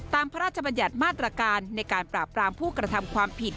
พระราชบัญญัติมาตรการในการปราบปรามผู้กระทำความผิด